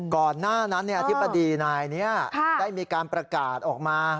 ก่อนหน้านั้นอธิบดีนายนี้ได้มีการประกาศออกมา